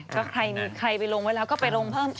ก็ใครไปลงไว้แล้วก็ไปลงเพิ่มอีก